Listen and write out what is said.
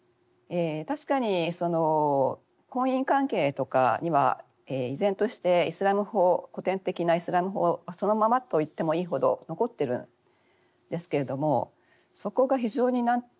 確かに婚姻関係とかには依然としてイスラーム法古典的なイスラーム法そのままと言ってもいいほど残っているんですけれどもそこが非常に何て言うんですかね